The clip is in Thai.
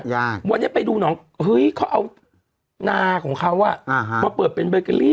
ยากวันนี้ไปดูหนองเฮ้ยเขาเอานาของเขาอ่ะอ่าฮะมาเปิดเป็นเบเกอรี่